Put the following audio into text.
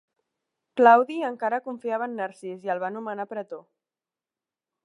Claudi encara confiava en Narcís i el va nomenar pretor.